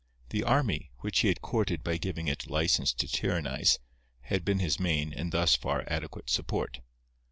The army, which he had courted by giving it license to tyrannize, had been his main, and thus far adequate support.